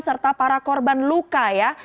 serta para korban luka ya